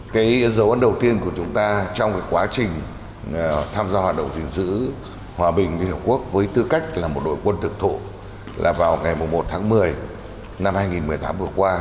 cái dấu ấn đầu tiên của chúng ta trong cái quá trình tham gia hoạt động gìn giữ hòa bình liên hợp quốc với tư cách là một đội quân thực thụ là vào ngày một tháng một mươi năm hai nghìn một mươi tám vừa qua